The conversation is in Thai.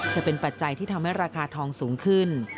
ปัจจัยที่ทำให้ราคาทองสูงขึ้น